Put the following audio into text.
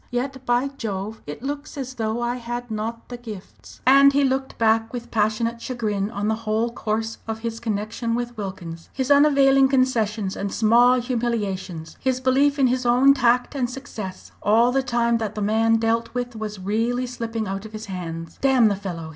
Yet, by Jove! it looks as though I had not the gifts." And he looked back with passionate chagrin on the whole course of his connection with Wilkins, his unavailing concessions and small humiliations, his belief in his own tact and success, all the time that the man dealt with was really slipping out of his hands. "Damn the fellow!"